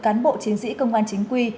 cán bộ chiến sĩ công an chính quy